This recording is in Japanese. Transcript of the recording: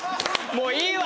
もういいよ。